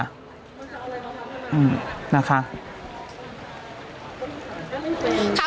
ดูซักผ่านที